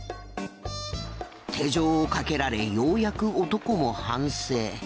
手錠をかけられようやく男も反省。